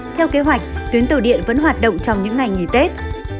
theo kế hoạch tuyến tàu điện vẫn hoạt động trong những ngày nghỉ tết